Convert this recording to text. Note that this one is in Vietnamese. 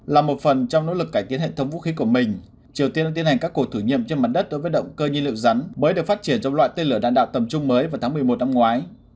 là một phần trong nỗ lực cải tiến hệ thống vũ khí của mình triều tiên đang tiến hành các cuộc thử nghiệm trên mặt đất đối với động cơ nhiên liệu rắn mới được phát triển trong loại tên lửa đạn đạo tầm trung mới vào tháng một mươi một năm ngoái